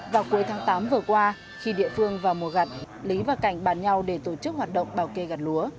vào cuối tháng tám vừa qua khi địa phương vào mùa gặt